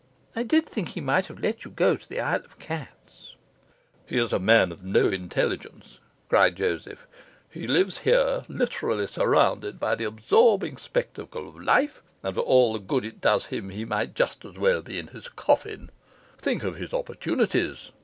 I did think he might have let you go to the Isle of Cats.' 'He is a man of no intelligence,' cried Joseph. 'He lives here literally surrounded by the absorbing spectacle of life, and for all the good it does him, he might just as well be in his coffin. Think of his opportunities!